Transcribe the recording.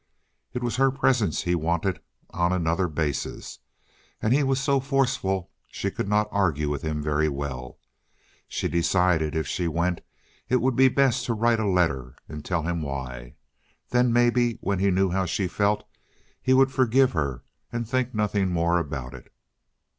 It was her presence he wanted on another basis. And he was so forceful, she could not argue with him very well. She decided if she went it would be best to write a letter and tell him why. Then maybe when he knew how she felt he would forgive her and think nothing more about it.